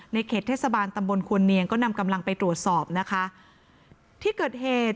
เขตเทศบาลตำบลควรเนียงก็นำกำลังไปตรวจสอบนะคะที่เกิดเหตุ